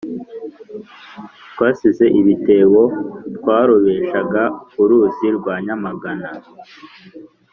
Twasize ibitebo twarobeshaga ku ruzi rwa nyamagana